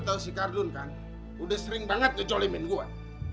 lo tau si kak dun kan udah sering banget ngejolemin gue